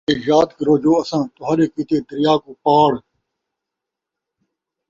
اَتے یاد کرو جو اَساں تُہاݙے کِیتے دَریا کوں پاڑ